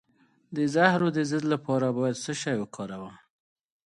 د زهرو د ضد لپاره باید څه شی وکاروم؟